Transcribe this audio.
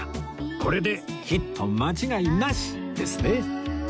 これでヒット間違いなしですね！